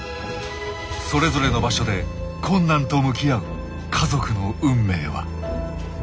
それぞれの場所で困難と向き合う家族の運命は。